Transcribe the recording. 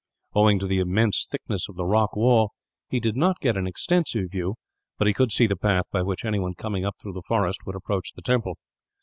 Owing to the immense thickness of the rock wall, he did not get an extensive view, but he could see the path by which anyone coming up through the forest would approach the temple.